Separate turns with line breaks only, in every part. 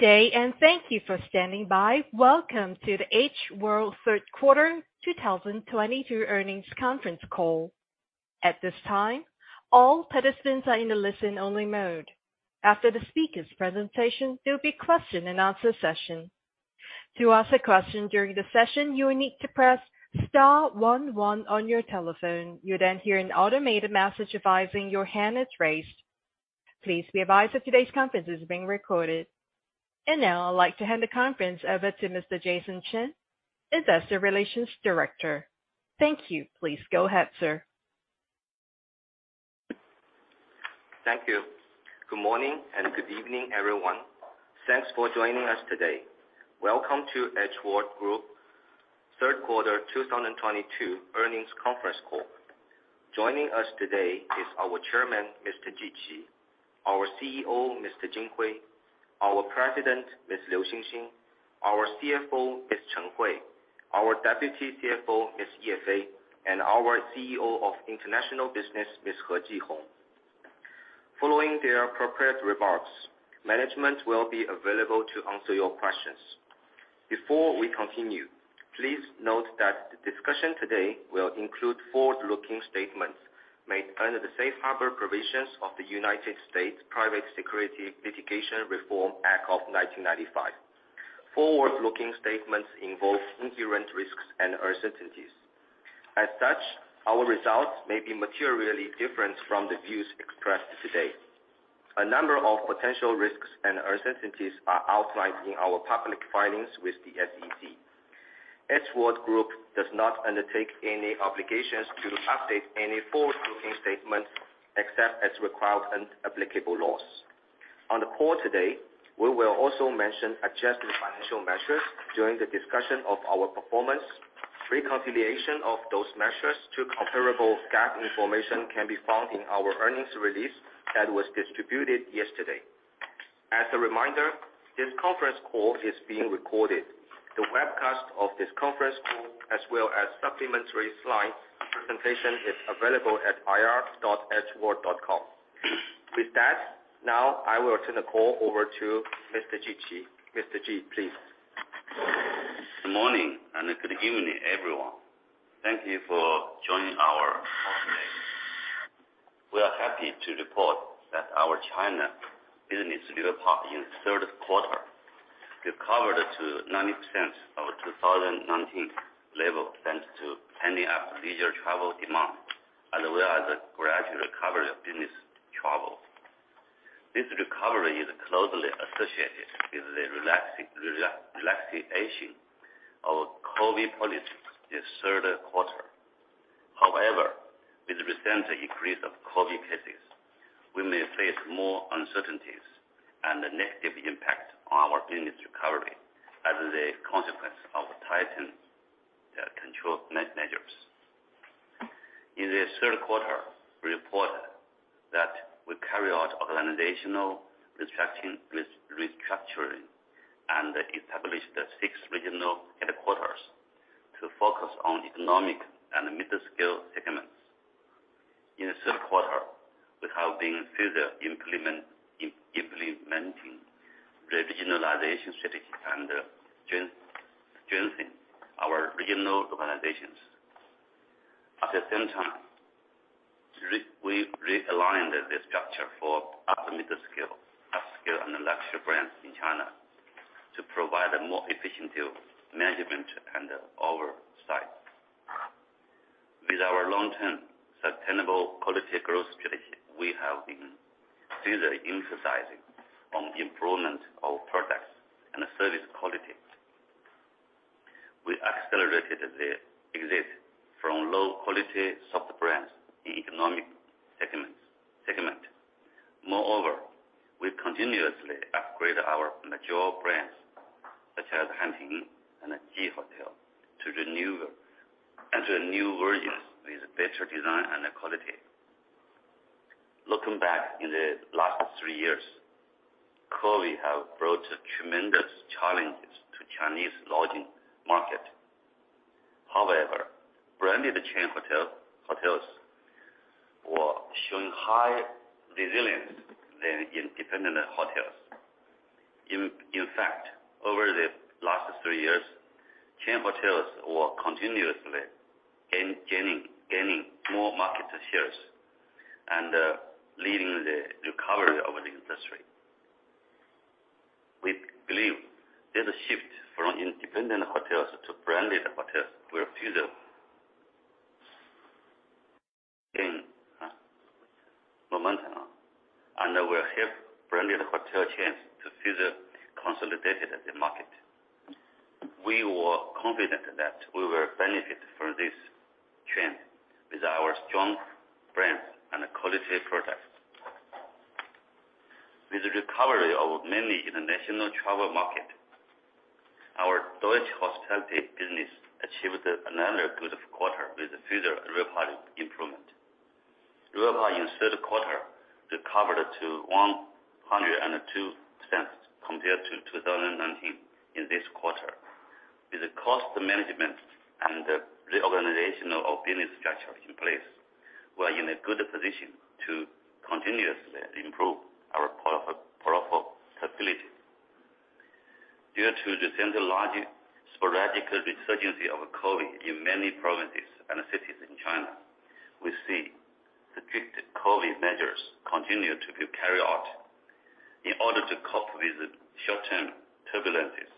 Good day and thank you for standing by. Welcome to the H World Q3 2022 earnings conference call. At this time, all participants are in a listen-only mode. After the speakers' presentation, there'll be question and answer session. To ask a question during the session, you will need to press star one one on your telephone. You'll then hear an automated message advising your hand is raised. Please be advised that today's conference is being recorded. Now I'd like to hand the conference over to Mr. Jason Chen, Investor Relations Director. Thank you. Please go ahead, sir.
Thank you. Good morning and good evening, everyone. Thanks for joining us today. Welcome to H World Group Q3 2022 earnings conference call. Joining us today is our Chairman, Mr. Ji Qi, our CEO, Mr. Jin Hui, our President, Ms. Liu Xin Xin, our CFO, Ms. Chen Hui, our Deputy CFO, Ms. Ye Fei, and our CEO of International Business, Ms. He Jihong. Following their prepared remarks, management will be available to answer your questions. Before we continue, please note that the discussion today will include forward-looking statements made under the safe harbor provisions of the United States Private Securities Litigation Reform Act of 1995. Forward-looking statements involve inherent risks and uncertainties. As such, our results may be materially different from the views expressed today. A number of potential risks and uncertainties are outlined in our public filings with the SEC. H World Group does not undertake any obligations to update any forward-looking statements except as required under applicable laws. On the call today, we will also mention adjusted financial measures during the discussion of our performance. Reconciliation of those measures to comparable GAAP information can be found in our earnings release that was distributed yesterday. As a reminder, this conference call is being recorded. The webcast of this conference call as well as supplementary slide presentation is available at ir.hworld.com. With that, now I will turn the call over to Mr. Ji Qi. Mr. Ji, please.
Good morning and good evening, everyone. Thank you for joining our call today. We are happy to report that our China business RevPAR in the Q3 recovered to 90% of 2019 level, thanks to pending leisure travel demand as well as the gradual recovery of business travel. This recovery is closely associated with the relaxation of COVID policies this Q3. However, with recent increase of COVID cases, we may face more uncertainties and a negative impact on our business recovery as a consequence of tightened control measures. In the Q3, we reported that we carry out organizational restructuring and established the 6 regional headquarters to focus on economic and mid-scale segments. In the Q3, we have been further implementing regionalization strategy and strengthening our regional organizations. At the same time, we realigned the structure for up-market scale, upscale and luxury brands in China to provide a more efficient management and oversight. With our long-term sustainable quality growth strategy, we have been further emphasizing on improvement of products and service quality. We accelerated the exit from low quality soft brands in economic segments. We continuously upgrade our mature brands such as HanTing and JI Hotel to renew, enter new versions with better design and quality. Looking back in the last 3 years, COVID have brought tremendous challenges to Chinese lodging market. Branded chain hotels were showing high resilience than independent hotels. In fact, over the last 3 years, chain hotels were continuously gaining more market shares and leading the recovery of the industry. We believe there's a shift from independent hotels to branded hotels will further gain momentum and will help branded hotel chains to further consolidate the market. We are confident that we will benefit from this trend with our strong brands and quality products. With the recovery of mainly international travel market, our Deutsche Hospitality business achieved another good quarter with further RevPAR improvement. RevPAR in Q3 recovered to 102% compared to. Cost management and the organizational of business structure in place. We are in a good position to continuously improve our profitability. Due to the larger sporadic resurgence of COVID in many provinces and cities in China, we see strict COVID measures continue to be carried out in order to cope with short term turbulences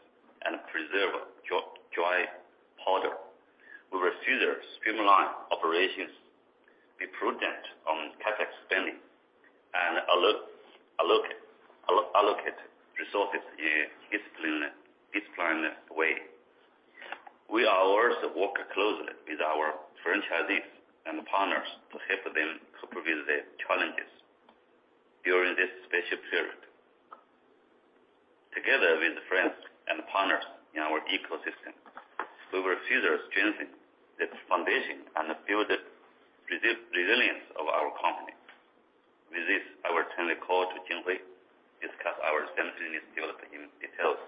and preserve dry powder. We refuse to streamline operations, be prudent on CapEx spending, and allocate resources in a disciplined way. We are also working closely with our franchisees and partners to help them cope with the challenges during this special period. Together with friends and partners in our ecosystem, we refuse changing the foundation and build the resilience of our company. With this, I will turn the call to Jin Hui discuss our sales development in details.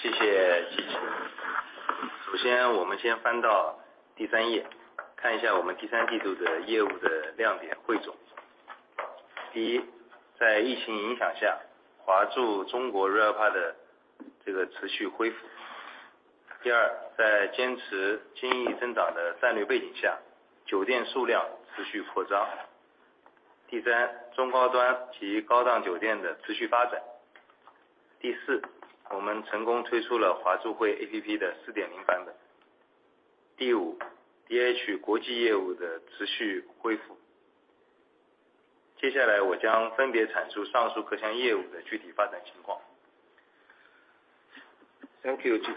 谢谢志 奇. 首先我们先翻到 3rd 页, 看一下我们 Q3 的业务的亮点 汇总. First, 在疫情影响 下, Huazhu China RevPAR 的这个持续 恢复. 2nd, 在坚持经营增长的战略背景 下, 酒店数量持续 扩张. 3rd, upper midscale 及 upscale 酒店的持续 发展. 4th, 我们成功推出了 Huazhu App 的 4.0 版本. 5th, DH 国际业务的持续 恢复. 接下来我将分别阐述上述各项业务的具体发展 情况.
Thank you, Jin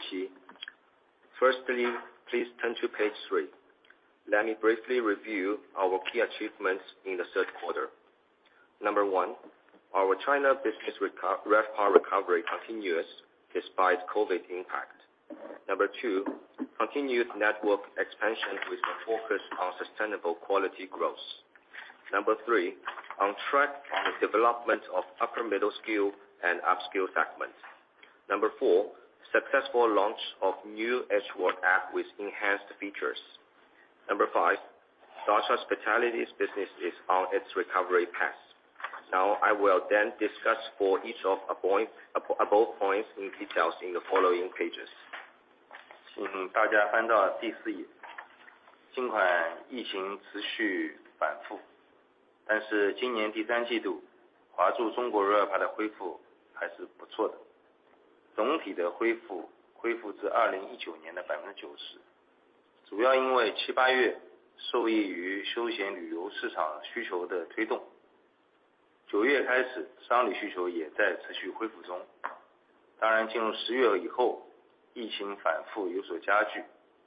Hui. Please turn to page 3. Let me briefly review our key achievements in the Q3. Number 1, our China business RevPAR recovery continuous despite COVID impact. Number 2, continued network expansion with a focus on sustainable quality growth. Number 3 on track the development of upper midscale and upscale segments. Number 4, successful launch of new Huazhu App with enhanced features. Number 5, Huazhu Hospitality business is on its recovery path. I will then discuss of both points in details in the following pages.
请大家翻到第四页。尽管疫情持续反 复， 但是今年第三季度华住中国 RevPAR 的恢复还是不错 的， 总体的恢 复， 恢复至2019年的百分之九 十， 主要因为七八月受益于休闲旅游市场需求的推动。九月开 始， 商务需求也在持续恢复中。当 然， 进入十月以 后， 疫情反复有所加 剧，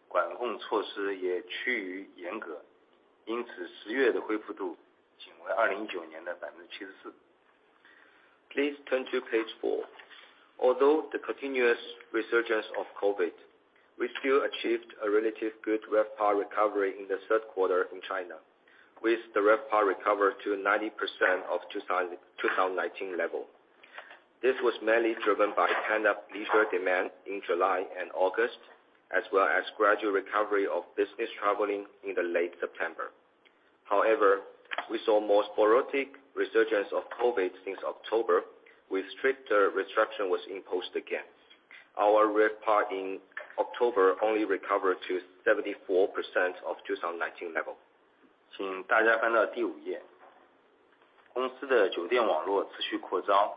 管控措施也趋于严 格， 因此十月的恢复度仅为2019年的百分之七十四。
Please turn to page 4. Although the continuous resurgence of COVID, we still achieved a relative good RevPAR recovery in the Q3 in China. With the RevPAR recover to 90% of 2019 level. This was mainly driven by China leisure demand in July and August, as well as gradual recovery of business traveling in the late September. However, we saw more sporadic resurgence of COVID since October with stricter restriction was imposed against our RevPAR in October only recovered to 74% of 2019 level.
请大家翻到第五页。公司的酒店网络持续扩张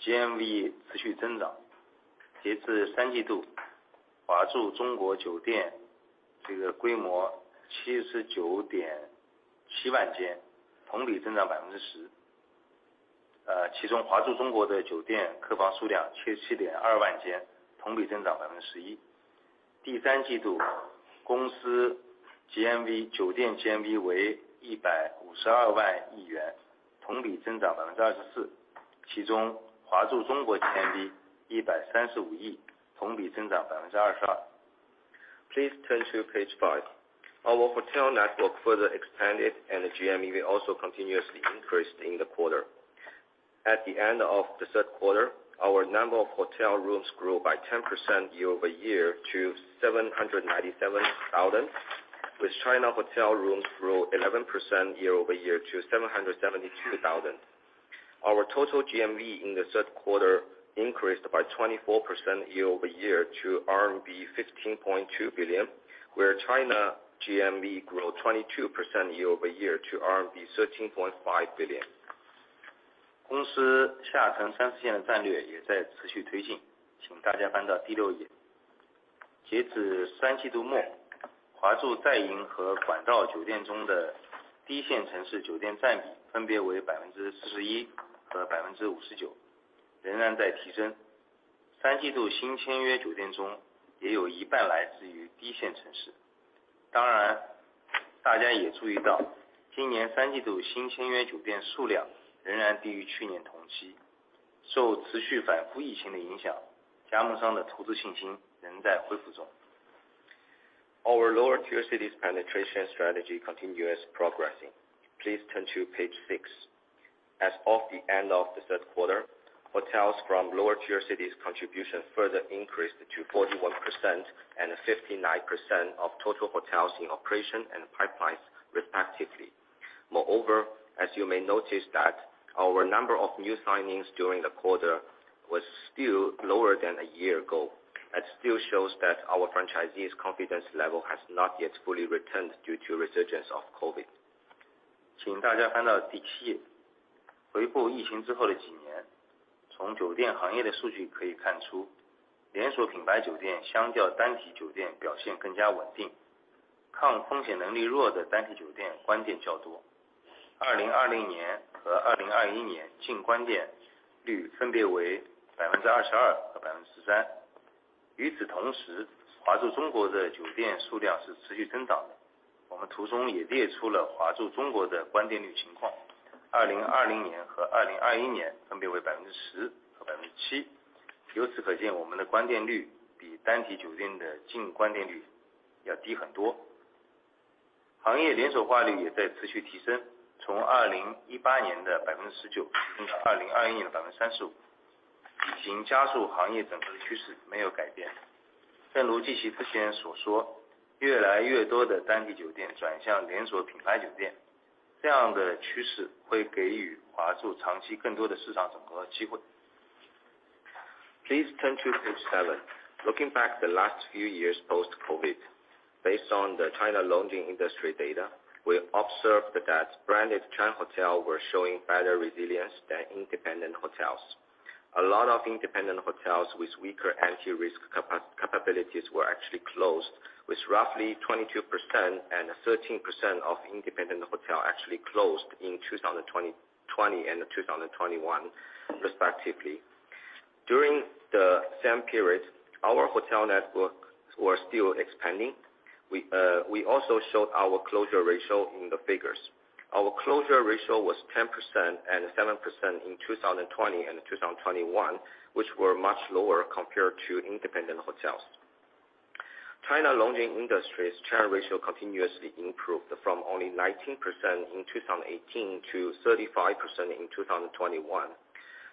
，GMV 持续增长。截至三季 度， 华住中国酒店这个规模七十九点七万 间， 同比增长百分之 十， 呃， 其中华住中国的酒店客房数量七十七点二万 间， 同比增长百分之十一。第三季 度， 公司 GMV， 酒店 GMV 为一百五十二万亿 元， 同比增长百分之二十 四， 其中华住中国 GMV 一百三十五 亿， 同比增长百分之二十二。
Please turn to page 5. Our hotel network further expanded and GMV also continuously increased in the quarter. At the end of the Q3, our number of hotel rooms grew by 10% year-over-year to 797,000, with China hotel rooms grew 11% year-over-year to 772,000. Our total GMV in the Q3 increased by 24% year-over-year to RMB 15.2 billion, where China GMV grew 22% year-over-year to RMB 13.5 billion.
公司下沉三四线的战略也在持续推进。请大家翻到第6 页。截止 Q3 末， Huazhu 在营和管道酒店中的低线城市酒店占比分别为 41% 和 59%， 仍然在提升。Q3 新签约酒店中也有一半来自于低线城市。当 然， 大家也注意 到， 今年 Q3 新签约酒店数量仍然低于去年同期。受持续反复疫情的影 响， 加盟商的投资信心仍在恢复中。
Our lower-tier cities penetration strategy continuous progressing. Please turn to page 6. As of the end of the Q3, hotels from lower-tier cities contribution further increased to 41% and 59% of total hotels in operation and pipelines respectively. Moreover, as you may notice that our number of new signings during the quarter was still lower than a year ago. That still shows that our franchisees confidence level has not yet fully returned due to resurgence of COVID.
请大家翻到第七页。回顾疫情之后的几 年， 从酒店行业的数据可以看 出， 连锁品牌酒店相较单体酒店表现更加稳 定， 抗风险能力弱的单体酒店关店较多。二零二零年和二零二一年净关店率分别为百分之二十二和百分之十三。与此同 时， 华住中国的酒店数量是持续增长的。我们图中也列出了华住中国的关店率情况。二零二零年和二零二一年分别为百分之十和百分之七。由此可 见， 我们的关店率比单体酒店的净关店率要低很多。行业连锁化率也在持续提升，从二零一八年的百分之十九升到二零二零年的百分之三十 五， 已经加速行业整合的趋势没有改变。正如季琦此前所 说， 越来越多的单体酒店转向连锁品牌酒 店， 这样的趋势会给予华住长期更多的市场整合机会。
Please turn to page 7. Looking back the last few years post COVID. Based on the China lodging industry data, we observed that branded chain hotel were showing better resilience than independent hotels. A lot of independent hotels with weaker anti-risk capabilities were actually closed with roughly 22% and 13% of independent hotel actually closed in 2020 and 2021 respectively. During the same period, our hotel network were still expanding. We also showed our closure ratio in the figures. Our closure ratio was 10% and 7% in 2020 and 2021, which were much lower compared to independent hotels. China lodging industries chain ratio continuously improved from only 19% in 2018 to 35% in 2021.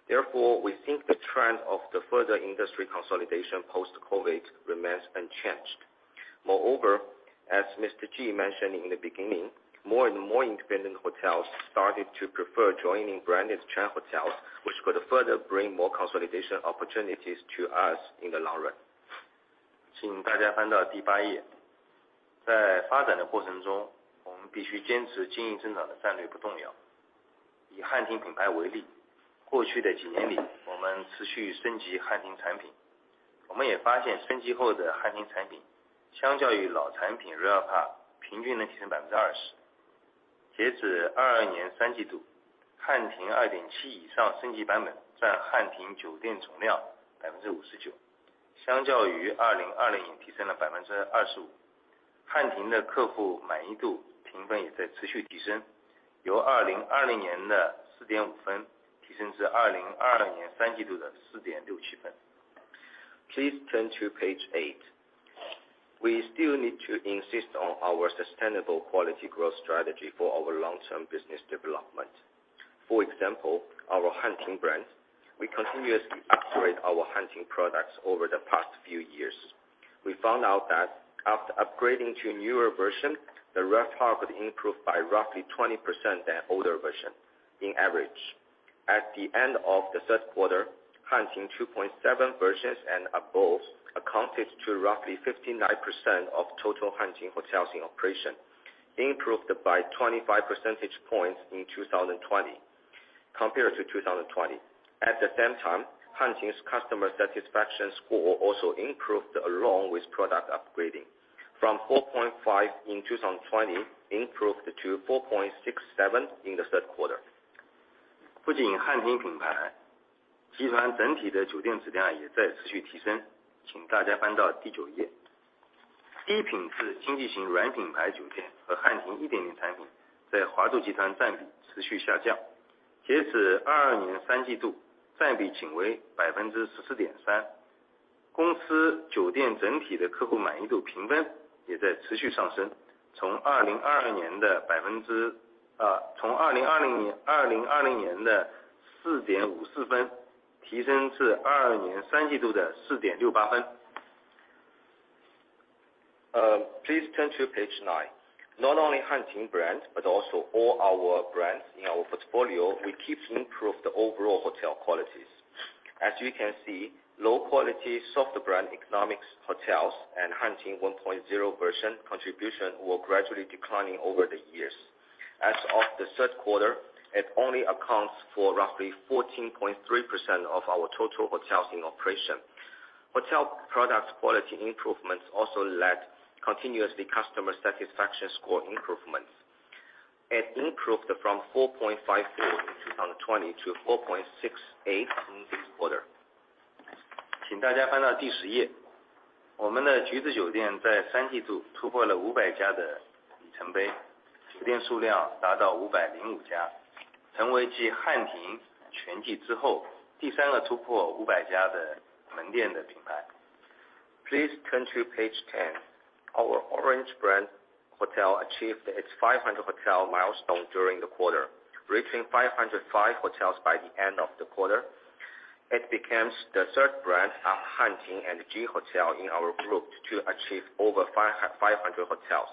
Therefore, we think the trend of the further industry consolidation post COVID remains unchanged. Moreover, as Mr. Ji mentioned in the beginning, more and more independent hotels started to prefer joining branded chain hotels, which could further bring more consolidation opportunities to us in the long run.
请大家翻到第八页。在发展的过程 中， 我们必须坚持经营增长的战略不动摇。以汉庭品牌为 例， 过去的几年 里， 我们持续升级汉庭产 品， 我们也发现升级后的汉庭产品相较于老产品 RevPAR 平均能提升百分之二十。截止二二年三季 度， 汉庭二点七以上升级版本占汉庭酒店总量百分之五十 九， 相较于二零二零提升了百分之二十五。汉庭的客户满意度评分也在持续提 升， 由二零二零年的四点五分提升至二零二二年三季度的四点六七分。
Please turn to page 8. We still need to insist on our sustainable quality growth strategy for our long term business development. For example, our HanTing brand. We continuously upgrade our HanTing products over the past few years. We found out that after upgrading to newer version, the RevPAR could improve by roughly 20% than older version in average. At the end of the Q3, HanTing 2.7 versions and above accounted to roughly 59% of total HanTing hotels in operation, improved by 25% points in 2020. Compared to 2020. At the same time, HanTing's customer satisfaction score also improved along with product upgrading from 4.5 in 2020 improved to 4.67 in the Q3.
不仅 HanTing 品牌， 集团整体的酒店质量也在持续提升。请大家翻到第9 页。低品质经济型软品牌酒店和 HanTing 1.0 产品在 Huazhu Group 占比持续下 降， 截止2022 Q3， 占比仅为 14.3%。公司酒店整体的客户满意度评分也在持续上 升， 从2020年的 4.54 分提升至2022 Q3 的 4.68 分。
Please turn to page 9. Not only HanTing brands, but also all our brands in our portfolio, we keep improve the overall hotel qualities. As you can see, low quality soft brand economics, hotels and HanTing 1.0 version contribution were gradually declining over the years. As of the Q3, it only accounts for roughly 14.3% of our total hotels in operation. Hotel products quality improvements also led continuously customer satisfaction score improvements. It improved from 4.54 in 2020 to 4.68 in this quarter. 请大家翻到第十页。我们的橘子酒店在三季度突破了五百家的 Please turn to page 10. Our Orange Hotel achieved its 500 hotel milestone during the quarter, reaching 505 hotels by the end of the quarter. It becomes the 3rd brand after HanTing and JI Hotel in our group to achieve over 500 hotels.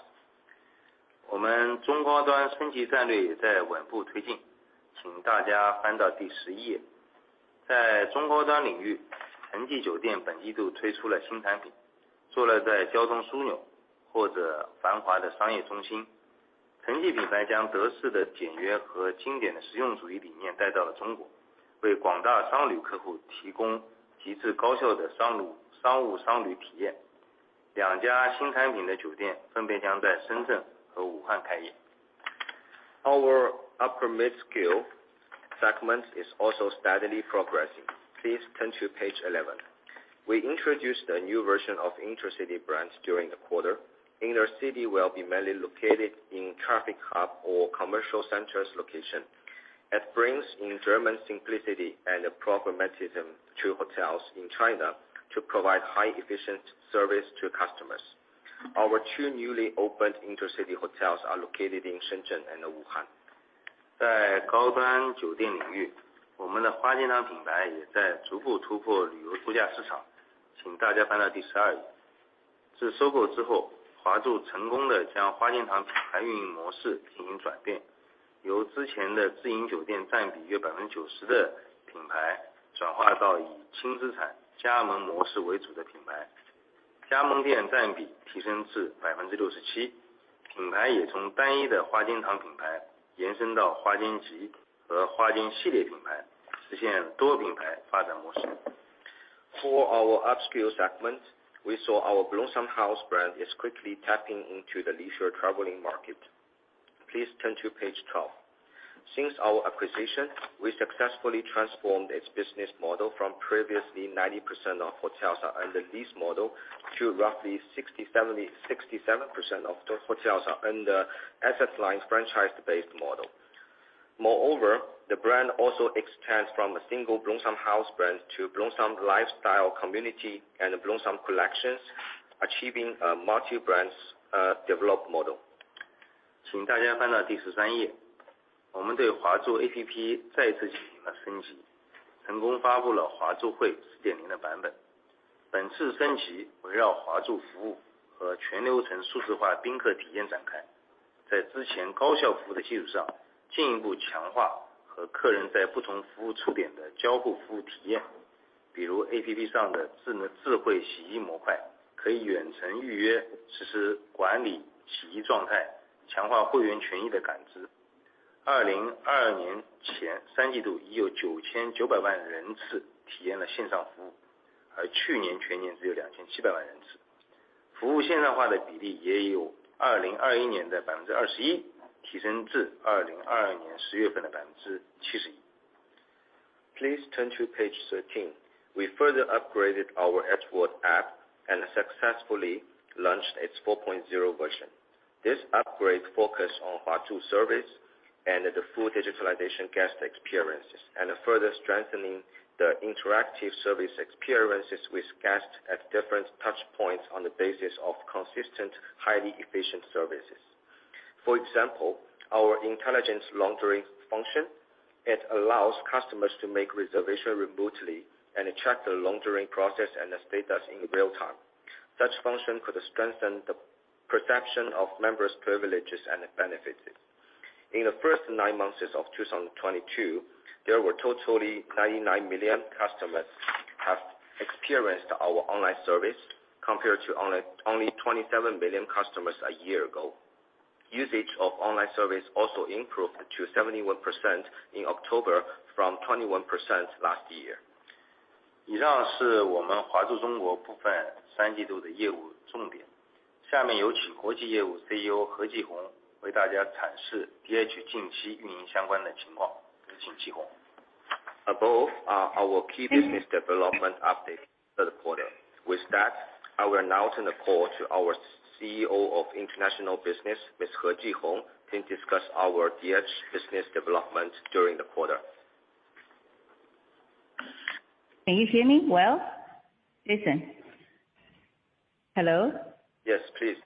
Our upper midscale segment is also steadily progressing. Please turn to page 11. We introduced a new version of Intercity Brands during the quarter. Intercity will be mainly located in traffic hub or commercial centers location. It brings in German simplicity and pragmatism to hotels in China to provide high efficient service to customers. Our 2 newly opened Intercity hotels are located in Shenzhen and Wuhan. For our upscale segment, we saw our Blossom House brand is quickly tapping into the leisure traveling market. Please turn to page 12. Since our acquisition, we successfully transformed its business model from previously 90% of hotels are under lease model to roughly 67% of those hotels are under asset-light franchise-based model. The brand also expands from a single Blossom House brand to Blossom Lifestyle Community and Blossom Collections, achieving a multi-brands developed model. Above are our key business development update for the quarter. I will now turn the call to our CEO of International Business, Ms. He Jihong to discuss our DH business development during the quarter.
Can you hear me well? Jason? Hello?
Yes, please.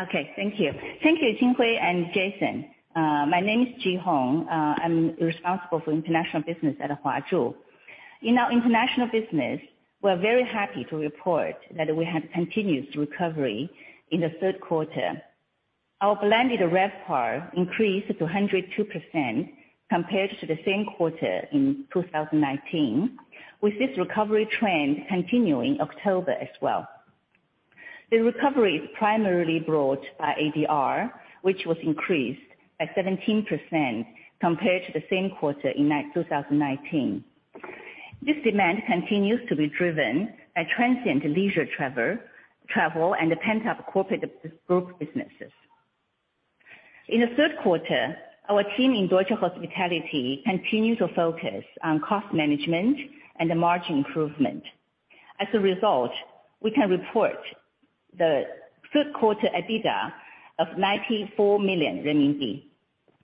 Okay. Thank you. Thank you, Jin Hui and Jason. My name is Jihong. I'm responsible for international business at Huazhu. In our international business, we're very happy to report that we have continuous recovery in the Q3. Our blended RevPAR increased to 102% compared to the same quarter in 2019. With this recovery trend continuing October as well. The recovery is primarily brought by ADR, which was increased at 17% compared to the same quarter in 2019. This demand continues to be driven by transient leisure travel and the pent-up corporate group businesses. In the Q3, our team in Deutsche Hospitality continues to focus on cost management and the margin improvement. As a result, we can report the Q3 EBITDA of 94 million renminbi.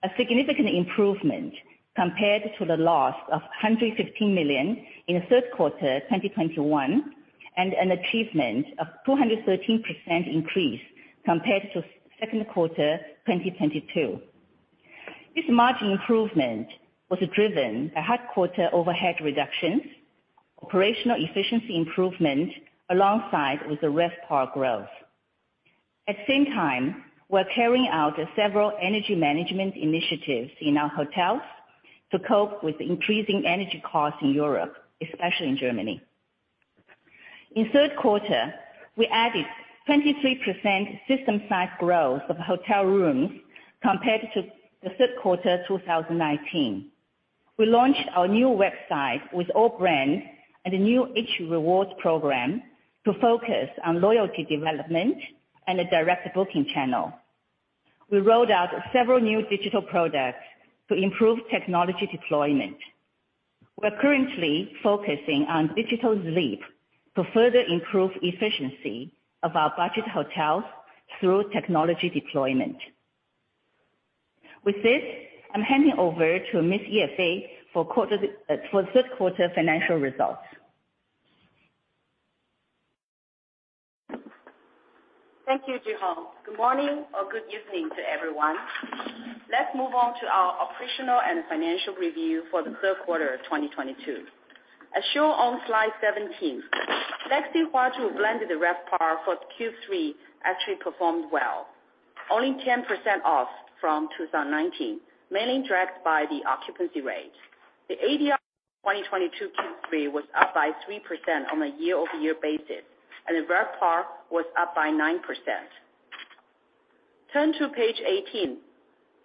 A significant improvement compared to the loss of 115 million in the Q3 2021, and an achievement of 213% increase compared to Q2 2022. This margin improvement was driven by headquarters overhead reductions, operational efficiency improvement alongside with the RevPAR growth. At the same time, we're carrying out several energy management initiatives in our hotels to cope with increasing energy costs in Europe, especially in Germany. In Q3, we added 23% system-wide growth of hotel rooms compared to the Q3 2019. We launched our new website with all brands and a new H Rewards program to focus on loyalty development and a direct booking channel. We rolled out several new digital products to improve technology deployment. We're currently focusing on digital leap to further improve efficiency of our budget hotels through technology deployment. With this, I'm handing over to Ms. Ye Fei for Q3 financial results.
Thank you, Jihong. Good morning or good evening to everyone. Let's move on to our operational and financial review for the Q3 of 2022. As shown on slide 17, Legacy Huazhu blended RevPAR for Q3 actually performed well. Only 10% off from 2019, mainly dragged by the occupancy rate. The ADR 2022, Q3 was up by 3% on a year-over-year basis, and the RevPAR was up by 9%. Turn to page 18.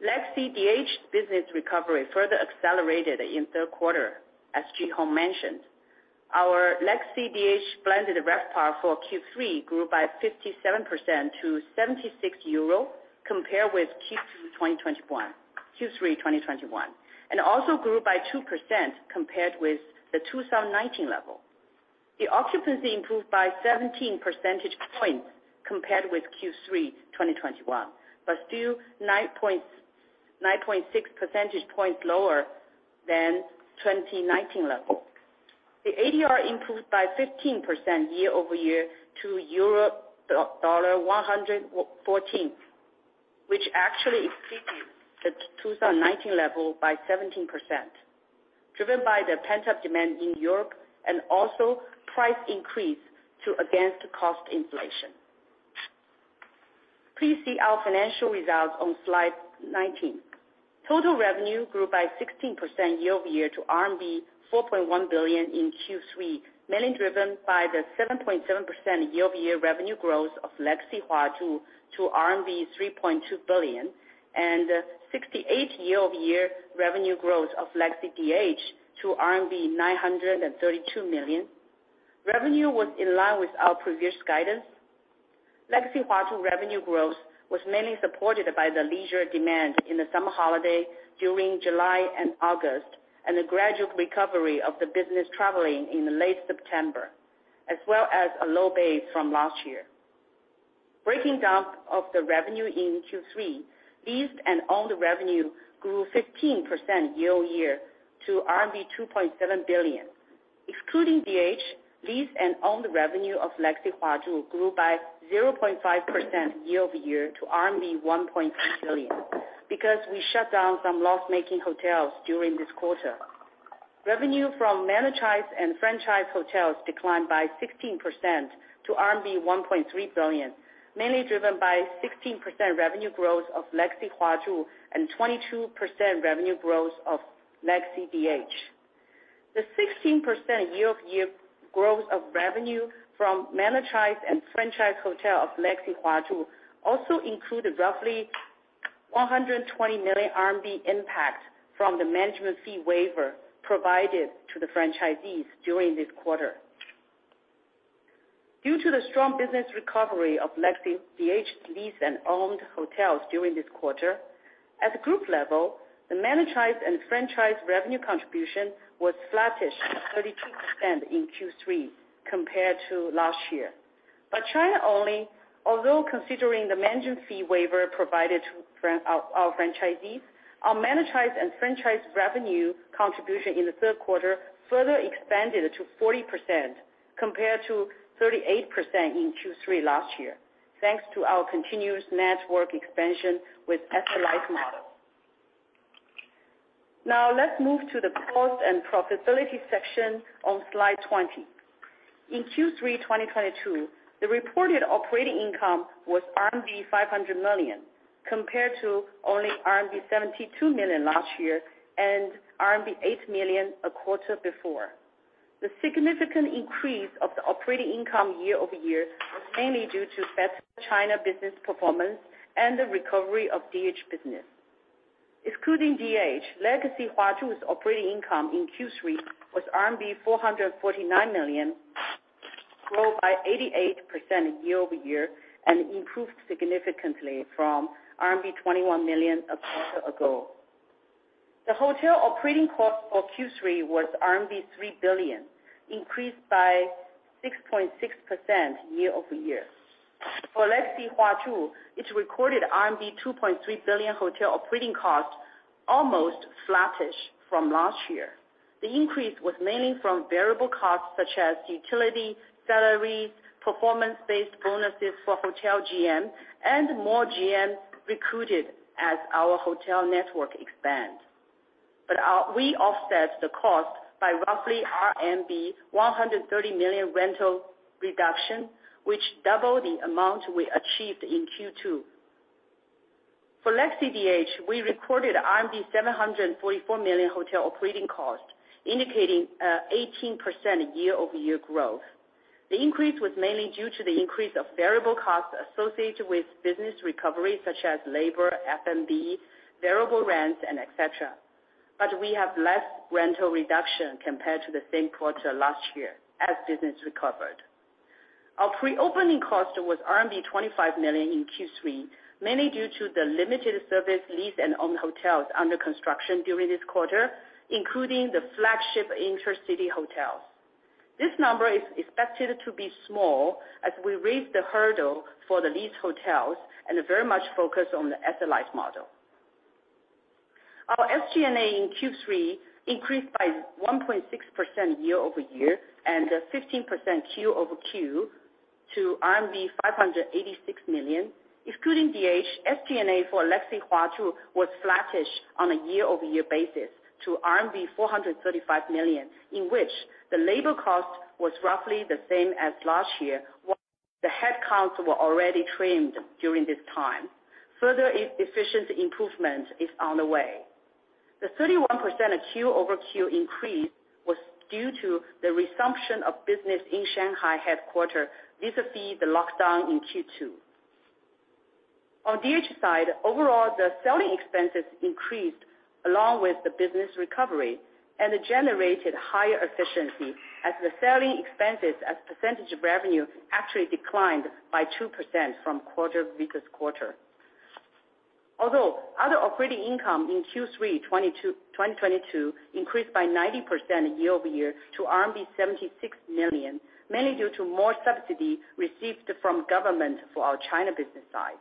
Legacy DH business recovery further accelerated in Q3 as Jihong mentioned. Our Legacy DH blended RevPAR for Q3 grew by 57% to 76 euro compared with Q3 2021, and also grew by 2% compared with the 2019 level. The occupancy improved by 17% points compared with Q3 2021, still 9.6% points lower than 2019 level. The ADR improved by 15% year-over-year to EUR 114, which actually exceeded the 2019 level by 17%, driven by the pent-up demand in Europe and also price increase against cost inflation. Please see our financial results on slide 19. Total revenue grew by 16% year-over-year to RMB 4.1 billion in Q3, mainly driven by the 7.7% year-over-year revenue growth of Legacy Huazhu to RMB 3.2 billion and 68% year-over-year revenue growth of Legacy DH to RMB 932 million. Revenue was in line with our previous guidance. Legacy Huazhu revenue growth was mainly supported by the leisure demand in the summer holiday during July and August, and the gradual recovery of the business traveling in late September, as well as a low base from last year. Breaking down of the revenue in Q3, leased and owned revenue grew 15% year-over-year to RMB 2.7 billion. Excluding DH, leased and owned revenue of Legacy Huazhu grew by 0.5% year-over-year to RMB 1.5 billion because we shut down some loss-making hotels during this quarter. Revenue from managed, franchise and franchise hotels declined by 16% to RMB 1.3 billion, mainly driven by 16% revenue growth of Legacy Huazhu and 22% revenue growth of Legacy-DH. The 16% year-over-year growth of revenue from managed, franchise and franchise hotel of Legacy Huazhu also included roughly 120 million RMB impact from the management fee waiver provided to the franchisees during this quarter. Due to the strong business recovery of Legacy DH leased and owned hotels during this quarter, at the group level, the managed, franchise and franchise revenue contribution was flattish at 32% in Q3 compared to last year. China only, although considering the management fee waiver provided to our franchisees, our managed, franchise and franchise revenue contribution in the Q3 further expanded to 40% compared to 38% in Q3 last year, thanks to our continuous network expansion with asset-light model. Now let's move to the cost and profitability section on slide 20. In Q3 2022, the reported operating income was RMB 500 million compared to only RMB 72 million last year and RMB 8 million a quarter before. The significant increase of the operating income year-over-year was mainly due to better China business performance and the recovery of DH business. Excluding DH, Legacy Huazhu's operating income in Q3 was RMB 449 million. Grew by 88% year-over-year and improved significantly from RMB 21 million a quarter ago. The hotel operating cost for Q3 was RMB 3 billion, increased by 6.6% year-over-year. For Legacy Huazhu, it recorded RMB 2.3 billion hotel operating cost, almost flattish from last year. The increase was mainly from variable costs such as utility, salaries, performance-based bonuses for hotel GMs, and more GMs recruited as our hotel network expands. We offset the cost by roughly RMB 130 million rental reduction, which double the amount we achieved in Q2. For Legacy DH, we recorded 744 million hotel operating costs, indicating 18% year-over-year growth. The increase was mainly due to the increase of variable costs associated with business recovery, such as labor, F&B, variable rents, and et cetera. We have less rental reduction compared to the same quarter last year as business recovered. Our pre-opening cost was RMB 25 million in Q3, mainly due to the limited service lease and owned hotels under construction during this quarter, including the flagship IntercityHotel. This number is expected to be small as we raise the hurdle for the lease hotels and very much focused on the asset-light model. Our SG&A in Q3 increased by 1.6% year-over-year and 15% quarter-over-quarter to RMB 586 million. Excluding DH, SG&A for Legacy Huazhu was flattish on a year-over-year basis to RMB 435 million, in which the labor cost was roughly the same as last year while the headcounts were already trimmed during this time. Further e-efficiency improvement is on the way. The 31% quarter-over-quarter increase was due to the resumption of business in Shanghai headquarter vis-a-vis the lockdown in Q2. On DH side, overall, the selling expenses increased along with the business recovery and generated higher efficiency as the selling expenses as a percentage of revenue actually declined by 2% from quarter-over-quarter. Other operating income in Q3 2022 increased by 90% year-over-year to RMB 76 million, mainly due to more subsidy received from government for our China business side.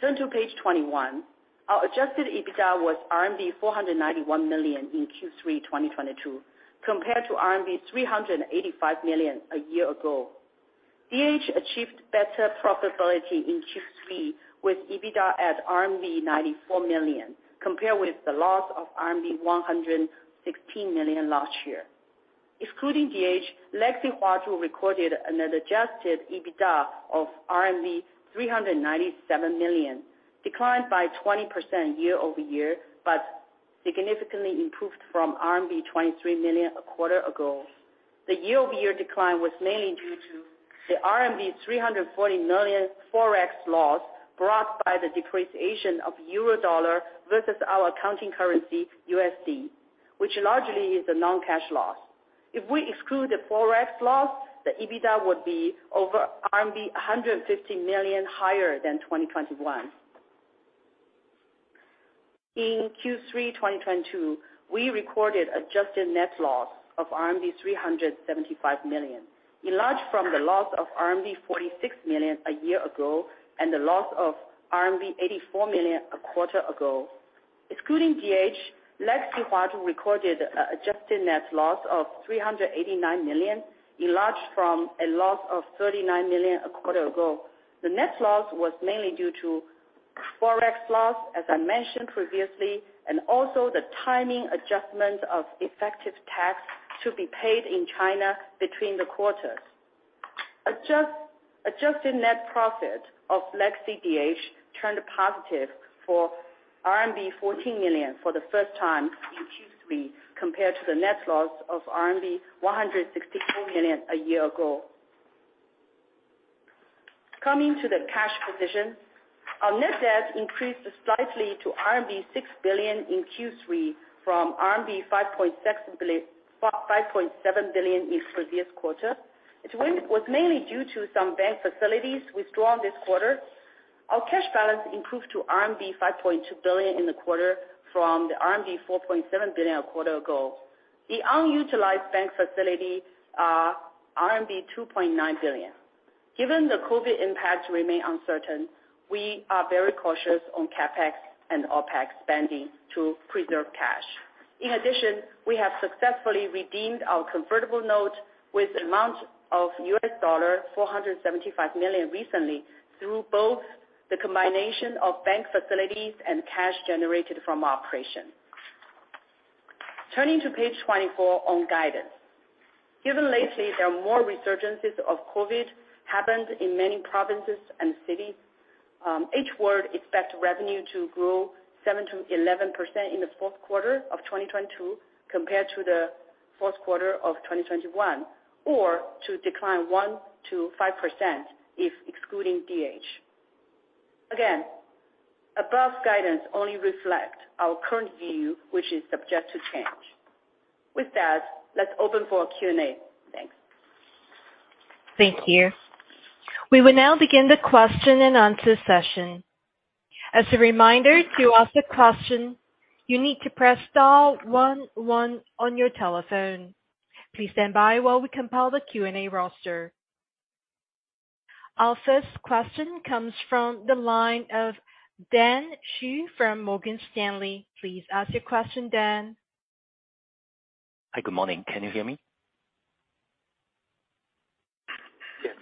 Turn to page 21. Our adjusted EBITDA was RMB 491 million in Q3 2022, compared to RMB 385 million a year ago. DH achieved better profitability in Q3 with EBITDA at RMB 94 million, compared with the loss of RMB 116 million last year. Excluding DH, Legacy Huazhu recorded an adjusted EBITDA of 397 million, declined by 20% year-over-year, significantly improved from RMB 23 million a quarter ago. The year-over-year decline was mainly due to the RMB 340 million Forex loss brought by the depreciation of Euro dollar versus our accounting currency, USD, which largely is a non-cash loss. If we exclude the Forex loss, the EBITDA would be over RMB 150 million higher than 2021. In Q3 2022, we recorded adjusted net loss of RMB 375 million, enlarged from the loss of RMB 46 million a year ago and the loss of RMB 84 million a quarter ago. Excluding DH, Legacy Huazhu recorded a adjusted net loss of 389 million, enlarged from a loss of 39 million a quarter ago. The net loss was mainly due to Forex loss, as I mentioned previously, and also the timing adjustment of effective tax to be paid in China between the quarters. Adjusted net profit of Legacy DH turned positive for RMB 14 million for the first time in Q3, compared to the net loss of RMB 164 million a year ago. Coming to the cash position, our net debt increased slightly to RMB 6 billion in Q3 from RMB 5.7 billion in previous quarter. It was mainly due to some bank facilities withdrawn this quarter. Our cash balance improved to RMB 5.2 billion in the quarter from the RMB 4.7 billion a quarter ago. The unutilized bank facility are RMB 2.9 billion. Given the COVID impacts remain uncertain, we are very cautious on CapEx and OpEx spending to preserve cash. We have successfully redeemed our convertible note with amount of $475 million recently through both the combination of bank facilities and cash generated from operation. Turning to page 24 on guidance. Given lately, there are more resurgences of COVID happened in many provinces and cities, H World expect revenue to grow 7%-11% in the Q4 of 2022 compared to the Q4 of 2021, or to decline 1%-5% if excluding DH. Again, above guidance only reflect our current view, which is subject to change. With that, let's open for Q&A. Thanks.
Thank you. We will now begin the question and answer session. As a reminder, to ask a question, you need to press star one one on your telephone. Please stand by while we compile the Q&A roster. Our 1st question comes from the line of Dan Xu from Morgan Stanley. Please ask your question, Dan.
Hi. Good morning. Can you hear me?
Yes.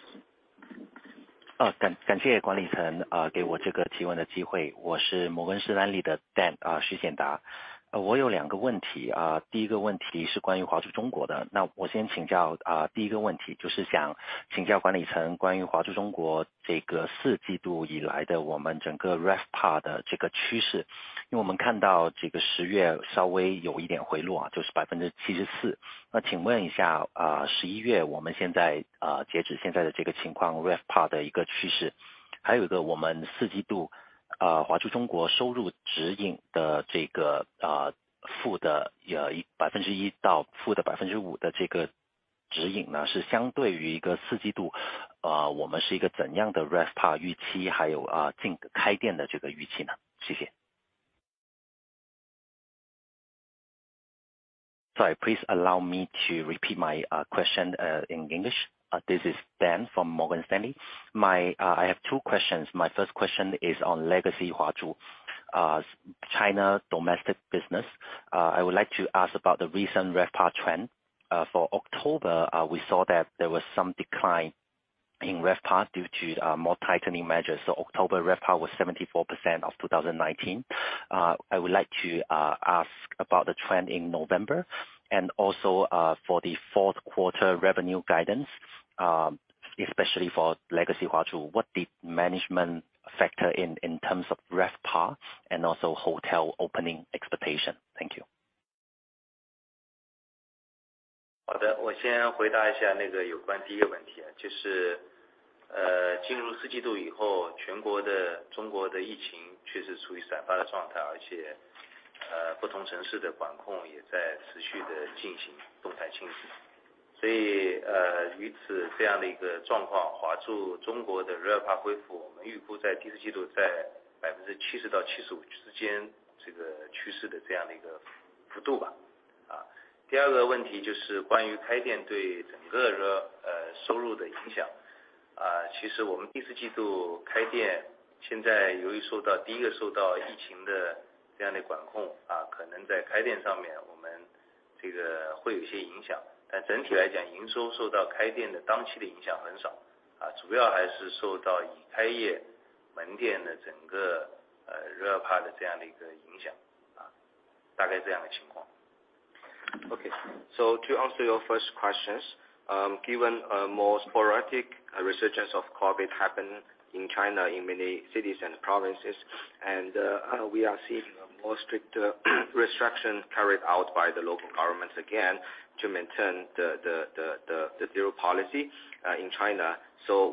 Sorry. Please allow me to repeat my question in English. This is Dan from Morgan Stanley. My I have 2 questions. My 1st question is on Legacy Huazhu, China domestic business. I would like to ask about the recent RevPAR trend. For October, we saw that there was some decline in RevPAR due to more tightening measures. October RevPAR was 74% of 2019. I would like to ask about the trend in November and also for the Q4 revenue guidance, especially for Legacy Huazhu. What the management factor in terms of RevPAR and also hotel opening expectation? Thank you.
Okay. To answer your 1st questions, given a more sporadic resurgence of COVID happen in China in many cities and provinces, and we are seeing a more stricter restriction carried out by the local governments again to maintain the zero policy in China.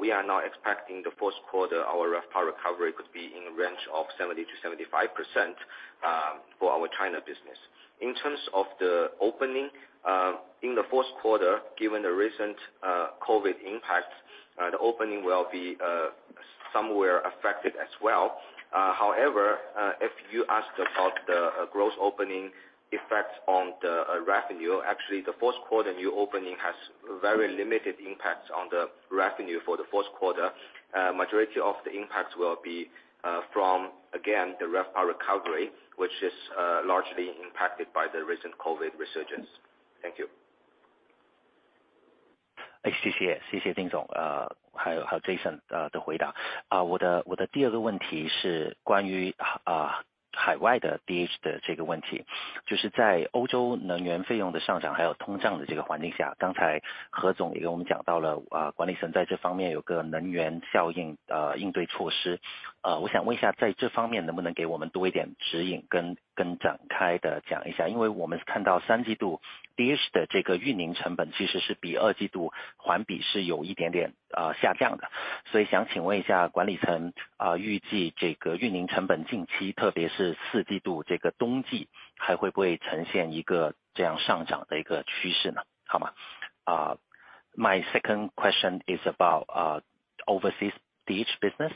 We are now expecting the Q4, our RevPAR recovery could be in a range of 70%-75% for our China business. In terms of the opening, in the Q4, given the recent COVID impact, the opening will be somewhere affected as well. However, if you asked about the gross opening effects on the revenue, actually the Q4 new opening has very limited impacts on the revenue for the Q4. Majority of the impacts will be from, again, the RevPAR recovery, which is largely impacted by the recent COVID resurgence. Thank you.
My 2nd question is about overseas DH business.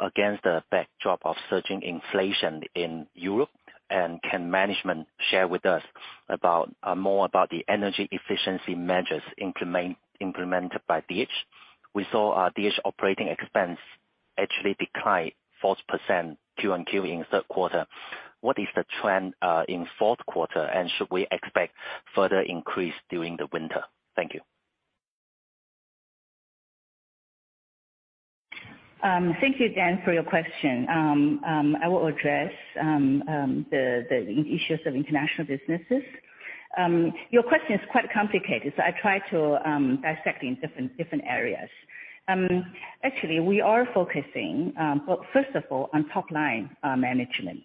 Against the backdrop of surging inflation in Europe, can management share with us about more about the energy efficiency measures implemented by DH? We saw DH OpEx actually decline 4% Q on Q in Q3. What is the trend in Q4, and should we expect further increase during the winter? Thank you.
Thank you, Dan, for your question. I will address the issues of international businesses. Your question is quite complicated, I try to dissect in different areas. Actually we are focusing, well, first of all, on top line management.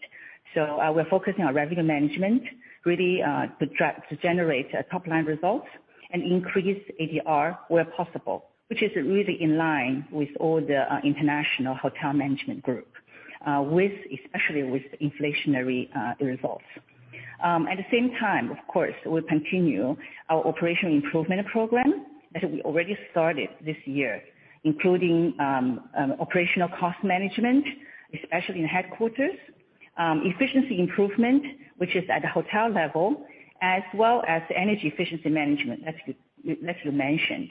We're focusing on revenue management, really to generate top-line results and increase ADR where possible, which is really in line with all the international hotel management group, especially with inflationary results. At the same time, of course, we'll continue our operational improvement program that we already started this year, including operational cost management, especially in headquarters, efficiency improvement, which is at the hotel level, as well as energy efficiency management that you mentioned.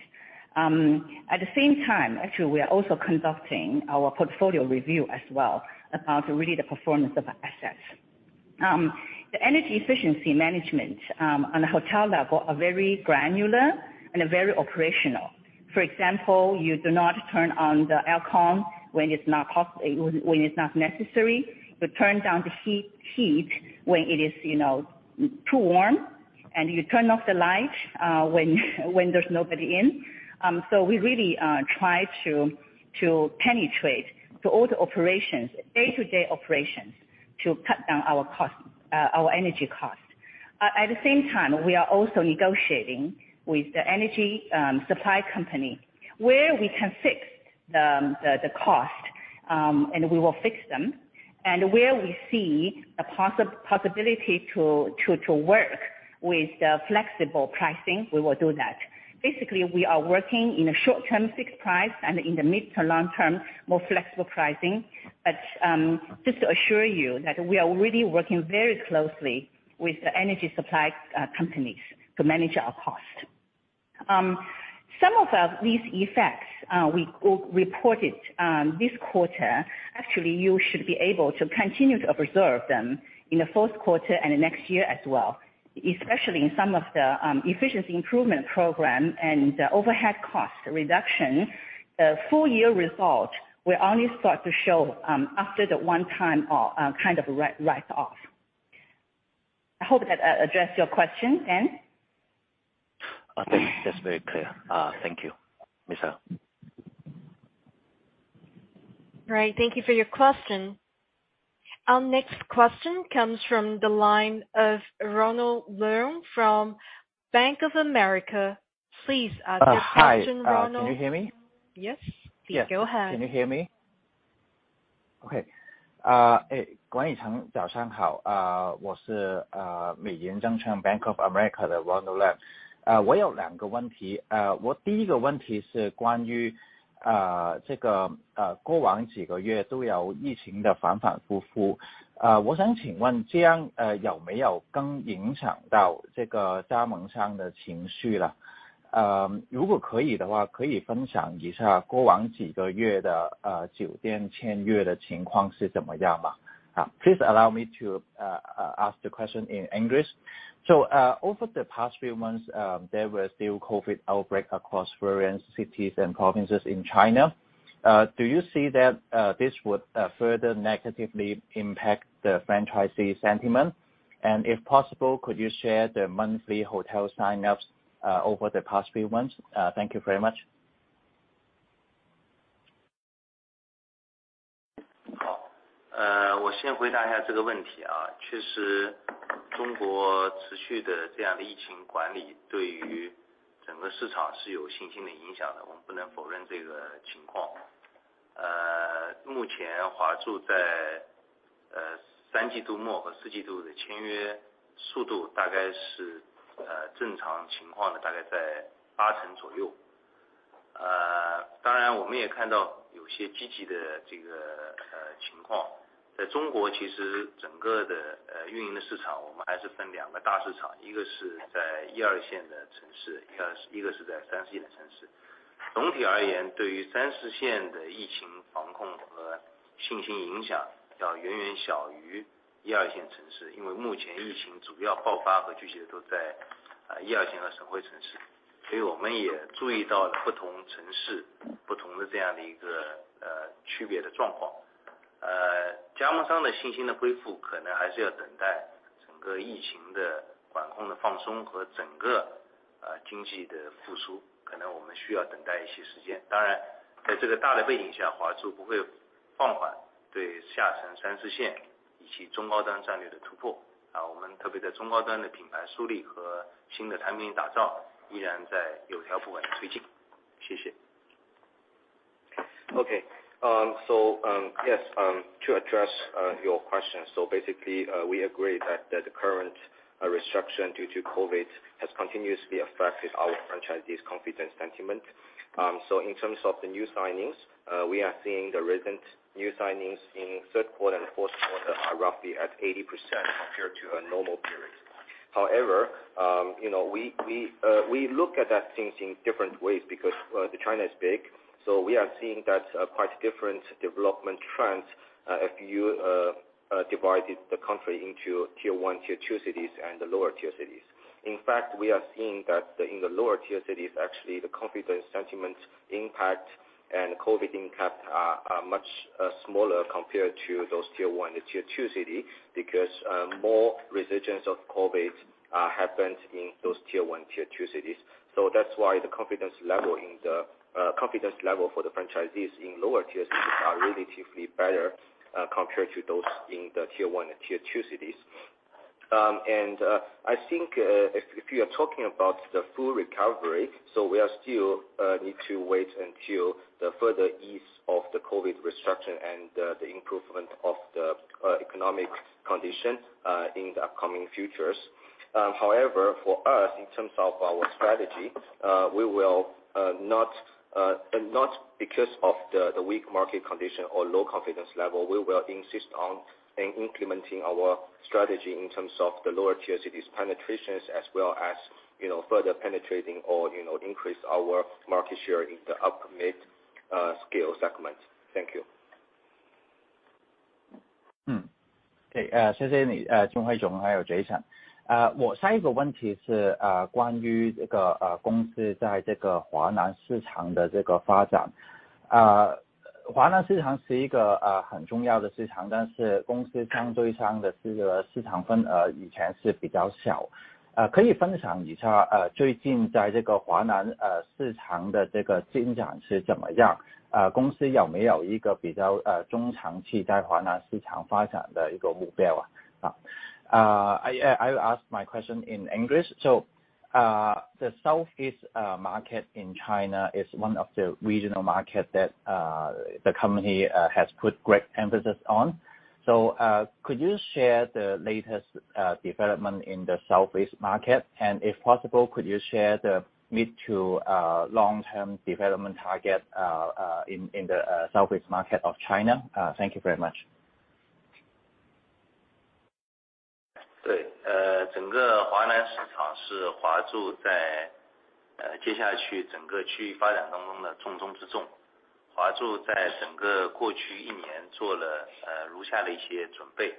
At the same time, actually, we are also conducting our portfolio review as well about really the performance of our assets. The energy efficiency management on a hotel level are very granular and are very operational. For example, you do not turn on the air con when it's not necessary. You turn down the heat when it is, you know, too warm, and you turn off the light when there's nobody in. We really try to penetrate to all the operations, day-to-day operations to cut down our costs, our energy costs. At the same time, we are also negotiating with the energy supply company, where we can fix the cost, and we will fix them. And where we see a possibility to work with the flexible pricing, we will do that. Basically, we are working in a short-term fixed price and in the mid to long-term, more flexible pricing. Just to assure you that we are really working very closely with the energy supply companies to manage our cost. Some of these effects we reported this quarter, actually you should be able to continue to observe them in the Q4 and the next year as well, especially in some of the efficiency improvement program and the overhead cost reduction. The full year results will only start to show after the one-time kind of a write-off. I hope that addressed your question, Dan.
That's just very clear. Thank you, Liu.
Right. Thank you for your question. Our next question comes from the line of Ronald Leung from Bank of America. Please ask your question, Ronald.
Hi. Can you hear me?
Yes.
Yeah.
Please go ahead.
Can you hear me? Okay. 冠宇 晨， 早上好。我是美银证券 Bank of America 的 Ronald Leung。我有2个问题。我第一个问题是关于这个过往几个月都有疫情的反反复复。我想请问这样有没有更影响到这个加盟商的情绪 了？ 如果可以的 话， 可以分享一下过往几个月的酒店签约的情况是怎么样吧。Please allow me to ask the question in English. Over the past few months, there were still COVID outbreak across various cities and provinces in China. Do you see that this would further negatively impact the franchisee sentiment? If possible, could you share the monthly hotel signups over the past few months? Thank you very much.
好。我先回答一下这个问题。确 实， 中国持续的这样的疫情管理对于整个市场是有信心的影响 的， 我们不能否认这个情况。目前 Huazhu， 在 end of Q3 和 Q4 的签约速度大概是正常情况的大概在 around 80%。当然我们也看到有些积极 的， 这个情况。在中 国， 其实整个的运营的市 场， 我们还是分2 large markets， 一个是在 tier 1 and 2 cities。一个是在三四线的城市。总体而 言， 对于三四线的疫情防控和信心影响要远远小于一二线城 市， 因为目前疫情主要爆发和聚集都 在， 呃， 一二线的省会城市。所以我们也注意到了不同城市不同的这样的一 个， 呃， 区别的状况。呃， 加盟商的信心的恢 复， 可能还是要等待整个疫情的管控的放松和整 个， 呃， 经济的复 苏， 可能我们需要等待一些时间。当 然， 在这个大的背景 下， 华住不会放缓对下沉三四线以及中高端战略的突破。啊， 我们特别在中高端的品牌梳理和新的产品打 造， 依然在有条不紊地推进。谢谢。
Okay. Yes, to address your question. Basically, we agree that the current restriction due to COVID has continuously affected our franchisees' confidence sentiment. In terms of the new signings, we are seeing the recent new signings in Q3 and Q4 are roughly at 80% compared to a normal period. However, you know, we look at things in different ways because China is big, we are seeing quite different development trends if you divided the country into tier 1, tier 2 cities and the lower tier cities. In fact, we are seeing that in the lower tier cities, actually, the confidence sentiments impact and COVID impact are much smaller compared to those tier 1 and tier 2 cities because more resurgence of COVID happened in those tier 1, tier 2 cities. That's why the confidence level in the confidence level for the franchisees in lower tier cities are relatively better compared to those in the tier 1 and tier 2 cities. I think if you are talking about the full recovery, we are still need to wait until the further ease of the COVID restriction and the improvement of the economic condition in the upcoming futures. However, for us, in terms of our strategy, we will not because of the weak market condition or low confidence level, we will insist on in implementing our strategy in terms of the lower tier cities penetrations as well as, you know, further penetrating or, you know, increase our market share in the ultimate upscale segment. Thank you.
谢谢你。Jing Hui 还有 Jason。我下一个问题 是， 关于这 个， 公司在这个华南市场的这个发 展， 华南市场是一 个， 很重要的市 场， 但是公司相对上的这个市场 分， 以前是比较 小， 可以分享一 下， 最近在这个华 南， 市场的这个进展是怎么 样？ 公司有没有一个比 较， 中长期在华南市场发展的一个目标？ I'll ask my question in English. The Southeast market in China is 1 of the regional market that the company has put great emphasis on. Could you share the latest development in the Southeast market? If possible, could you share the mid to long-term development target in the Southeast market of China? Thank you very much.
对。呃。整个华南市场是华住 在， 呃， 接下去整个区域发展当中的重中之重。华住在整个过去一年做 了， 呃， 如下的一些准备。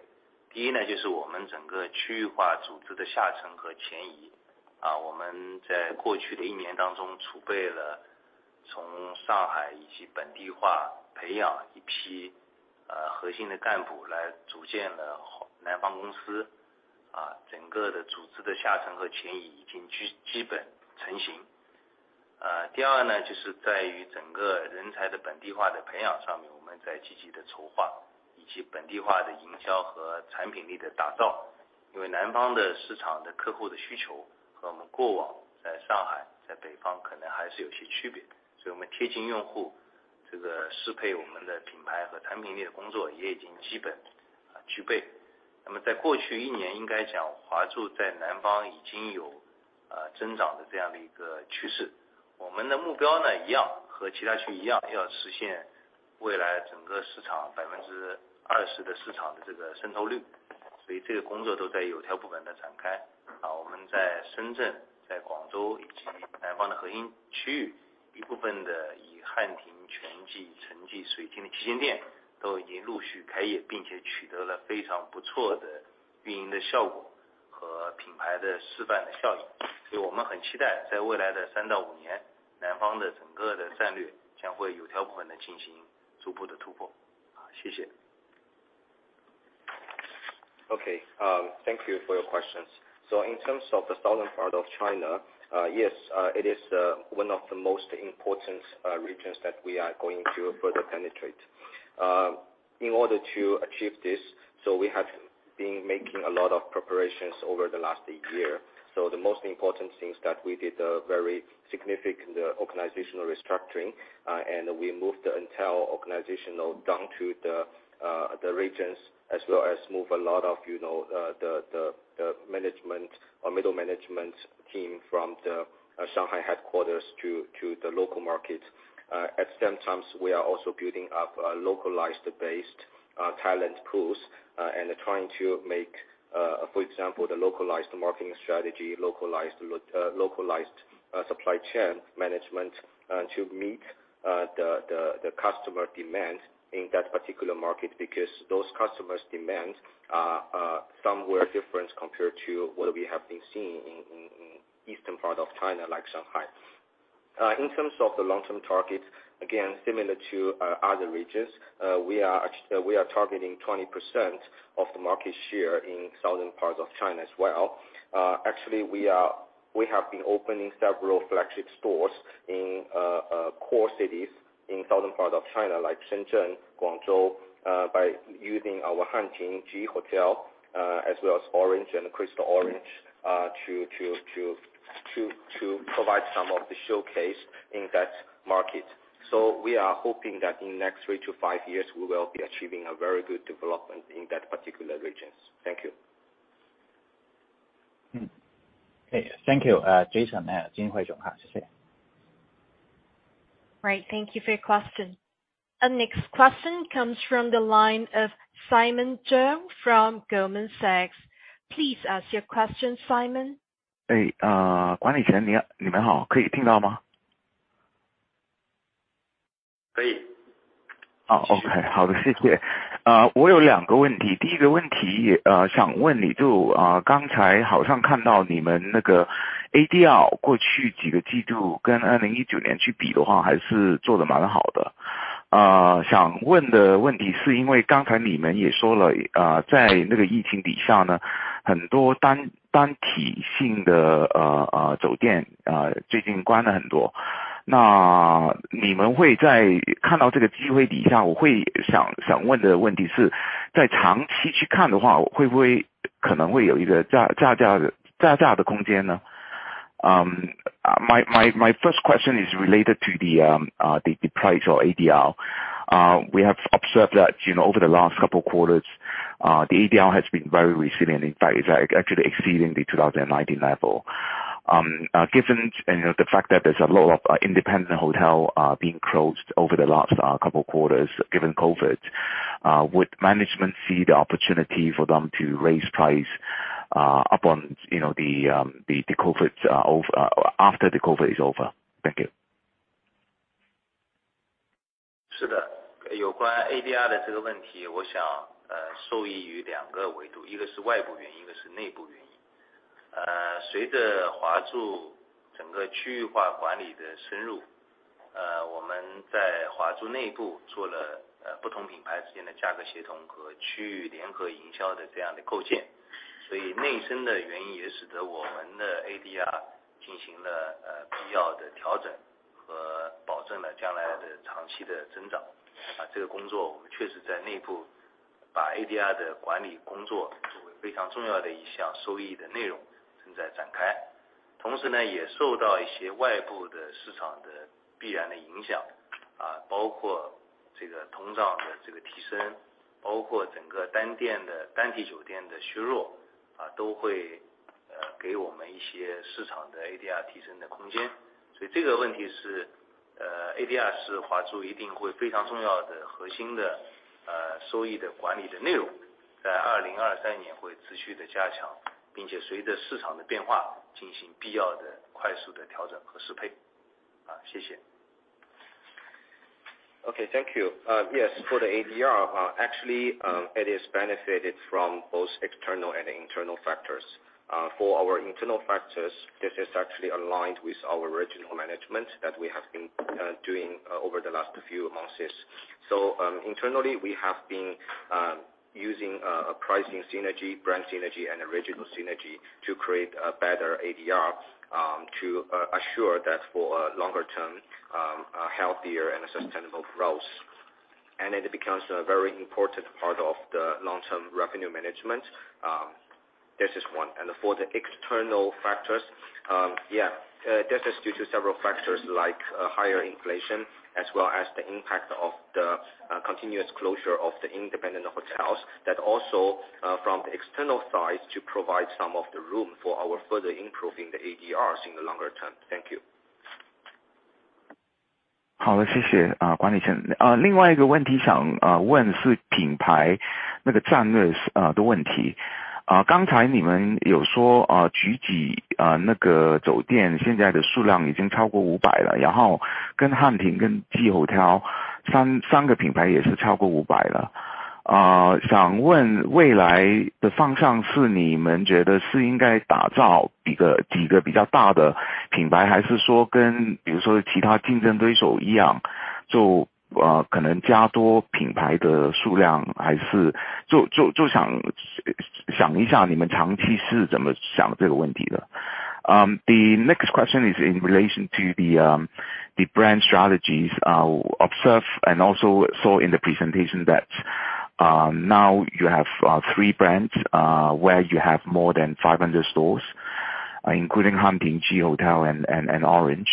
第一 呢， 就是我们整个区域化组织的下沉和迁 移， 啊， 我们在过去的一年当中储备了从上海以及本地化培养一 批， 呃， 核心的干部来组建了南方公司， 啊， 整个的组织的下沉和迁移已经 基， 基本成型。呃， 第二 呢， 就是在于整个人才的本地化的培养上 面， 我们在积极地筹划以及本地化的营销和产品力的打造。因为南方的市场的客户的需求和我们过往在上 海， 在北方可能还是有些区 别， 所以我们贴近用 户， 这个适配我们的品牌和产品列的工作也已经基 本， 呃， 具备。那么在过去一 年， 应该讲华住在南方已经 有， 呃， 增长的这样的一个趋势。我们的目标呢一 样， 和其他区域一 样， 要实现未来整个市场百分之二十的市场的这个渗透 率， 所以这个工作都在有条不紊地展开。好， 我们在深 圳， 在广州以及南方的核心区 域， 一部分的以汉庭、全季、橙季、水晶的旗舰店都已经陆续开 业， 并且取得了非常不错的运营的效果和品牌的示范的效应。所以我们很期待在未来的三到五 年， 南方的整个的战略将会有条不紊地进行逐步的突破。好， 谢谢。
Thank you for your questions. In terms of the southern part of China, yes, it is 1 of the most important regions that we are going to further penetrate. In order to achieve this, we have been making a lot of preparations over the last year. The most important thing is that we did a very significant organizational restructuring, and we moved the entire organization down to the regions, as well as move a lot of, you know, the management or middle management team from the Shanghai headquarters to the local market. At same time, we are also building up a localized based talent pools, and trying to make, for example, the localized marketing strategy, localized supply chain management, to meet the customer demand in that particular market, because those customers' demands are somewhere different compared to what we have been seeing in eastern part of China, like Shanghai. In terms of the long-term target, again, similar to other regions, we are targeting 20% of the market share in southern part of China as well. Actually, we have been opening several flagship stores in core cities in southern part of China, like Shenzhen, Guangzhou, by using our HanTing Hotel, as well as Orange and Crystal Orange, to provide some of the showcase in that market. We are hoping that in next 3 to 5 years, we will be achieving a very good development in that particular regions. Thank you.
谢谢。Thank you, Jason 还有 Jing Hui 总。谢谢。
Right. Thank you for your question. Next question comes from the line of Simon Cheung from Goldman Sachs. Please ask your question, Simon.
管理 层， 你 好， 你们 好， 可以听到 吗？
可 以.
好， OK， 好的， 谢谢。我有两个问题。第一个问 题， 想问你 就， 刚才好像看到你们那个 ADR 过去几个季度跟2019年去比的 话， 还是做得蛮好的。想问的问题是因为刚才你们也说 了， 在那个疫情底下 呢， 很多单体性的酒 店， 最近关了很多。你们会在看到这个机会底 下， 我会想问的问题 是， 在长期去看的 话， 会不会可能会有一个加价的空间 呢？ My 1st question is related to the price or ADR. We have observed that, you know, over the last couple quarters, the ADR has been very resilient. In fact, it's actually exceeding the 2019 level. Given, you know, the fact that there's a lot of independent hotel being closed over the last couple quarters, given COVID, would management see the opportunity for them to raise price upon, you know, the COVID over after the COVID is over. Thank you.
是 的， 有关 ADR 的这个问 题， 我 想， 呃， 受益于两个维 度， 一个是外部原 因， 一个是内部原因。呃， 随着华住整个区域化管理的深 入， 呃， 我们在华住内部做 了， 呃， 不同品牌之间的价格协同和区域联合营销的这样的构建。所以内生的原因也使得我们的 ADR 进行 了， 呃， 必要的调整和保证了将来的长期的增长。这个工作我们确实在内部把 ADR 的管理工作作为非常重要的一项收益的内容正在展开。同时呢也受到一些外部的市场的必然的影 响， 啊， 包括这个通胀的这个提 升， 包括整个单店 的， 单体酒店的削 弱， 啊， 都 会， 呃， 给我们一些市场的 ADR 提升的空间。所以这个问题 是， 呃 ，ADR 是华住一定会非常重要的核心 的， 呃， 收益的管理的内 容， 在2023年会持续地加 强， 并且随着市场的变化进行必要的快速的调整和适配。啊， 谢谢。
Okay. Thank you. Yes, for the ADR, actually, it is benefited from both external and internal factors. For our internal factors, this is actually aligned with our regional management that we have been doing over the last few months. Internally, we have been using a pricing synergy, brand synergy and regional synergy to create a better ADR to assure that for a longer term, a healthier and a sustainable growth. It becomes a very important part of the long-term revenue management. This is 1. For the external factors, yeah, this is due to several factors like higher inflation as well as the impact of the continuous closure of the independent hotels. That also, from the external side to provide some of the room for our further improving the ADRs in the longer term. Thank you.
好 的， 谢 谢， 啊， 管理层。呃， 另外一个问题 想， 呃， 问是品牌那个战 略， 呃， 的问题。呃， 刚才你们有 说， 呃， 桔 子， 呃， 那个酒店现在的数量已经超过五百 了， 然后跟汉 庭， 跟 JI Hotel， 三， 三个品牌也是超过五百了。呃， 想问未来的方向是你们觉得是应该打造几 个， 几个比较大的品 牌， 还是说跟比如说其他竞争对手一 样， 就， 呃，可能加多品牌的数 量， 还 是， 就， 就， 就 想， 想一下你们长期是怎么想这个问题的。
Um, the next question is in relation to the, um, the brand strategies.
Observe and also saw in the presentation that now you have 3 brands where you have more than 500 stores, including HanTing, JI Hotel, and Orange.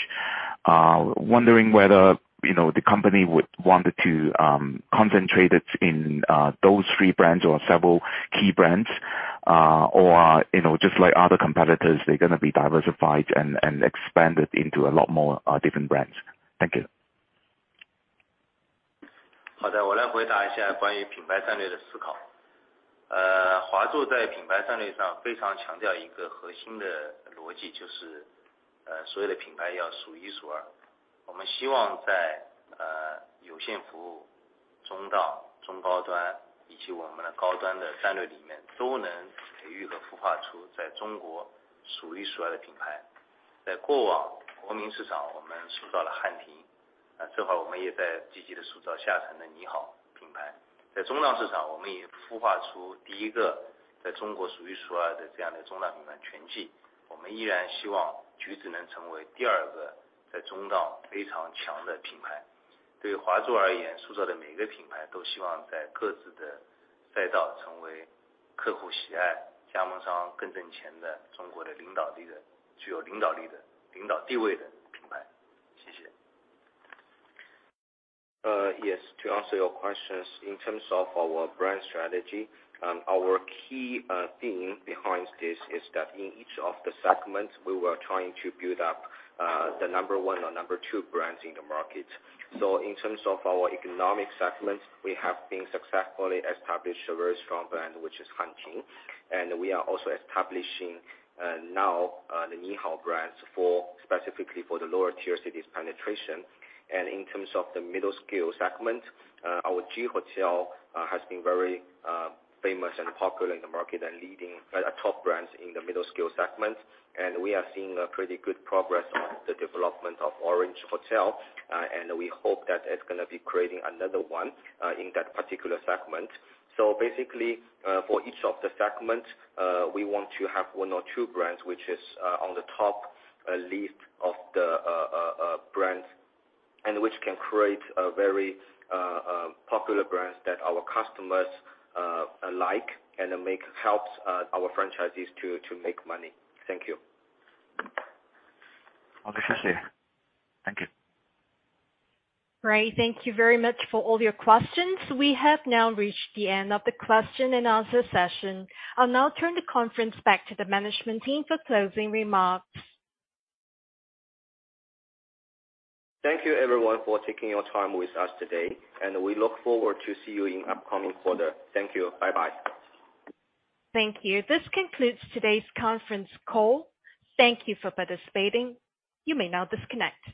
Wondering whether, you know, the company would wanted to concentrate it's in those 3 brands or several key brands, or, you know, just like other competitors, they're gonna be diversified and expand it into a lot more different brands. Thank you.
好 的， 我来回答一下关于品牌战略的思考。呃，华住在品牌战略上非常强调一个核心的逻 辑， 就 是， 呃， 所有的品牌要数一数二。我们希望 在， 呃， 有限服务中到中高 端， 以及我们的高端的战略里 面， 都能培育和孵化出在中国数一数二的品牌。在过往国民市 场， 我们塑造了汉 庭， 呃， 正好我们也在积极地塑造下沉的你好品牌。在中档市 场， 我们也孵化出第一个在中国数一数二的这样的中档品牌全 季， 我们依然希望桔子能成为第二个中档非常强的品牌。对于华住而 言， 塑造的每一个品牌都希望在各自的赛道成为客户喜 爱， 加盟商更挣钱的中国的领导力 的， 具有领导力 的， 领导地位的品牌。谢谢。
Yes. To answer your questions in terms of our brand strategy, our key theme behind this is that in each of the segments, we were trying to build up the number 1 or number 2 brands in the market. In terms of our economic segments, we have been successfully established a very strong brand, which is HanTing, and we are also establishing now the Ni Hao brands for, specifically for the lower tier cities penetration. In terms of the midscale segment, our JI Hotel has been very famous and popular in the market and leading top brands in the midscale segment. We are seeing a pretty good progress on the development of Orange Hotel. We hope that it's gonna be creating another 1 in that particular segment. Basically, for each of the segments, we want to have 1 or 2 brands, which is on the top list of the brands and which can create a very popular brands that our customers like and make helps our franchisees to make money. Thank you.
好 的， 谢谢。Thank you.
Right. Thank you very much for all your questions. We have now reached the end of the question and answer session. I'll now turn the conference back to the management team for closing remarks.
Thank you everyone for taking your time with us today, and we look forward to see you in upcoming quarter. Thank you. Bye bye.
Thank you. This concludes today's conference call. Thank you for participating. You may now disconnect.